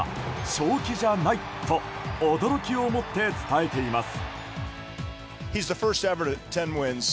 正気じゃないと驚きを持って伝えています。